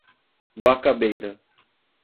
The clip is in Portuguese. Bacabeira